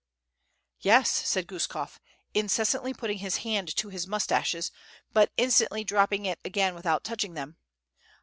"Yes," said Guskof, incessantly putting his hand to his moustaches, but instantly dropping it again without touching them.